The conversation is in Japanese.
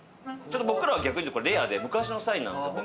僕らはレアで昔のサインなんですよ。